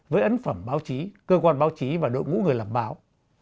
với ấn phẩm báo chí cơ quan báo chí và đội ngũ người làm báo